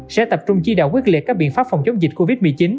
sẽ tập trung chỉ đạo quyết liệt các biện pháp phòng chống dịch covid một mươi chín